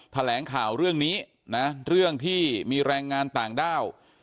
แถลงข่าวเรื่องนี้นะเรื่องที่มีแรงงานต่างด้าว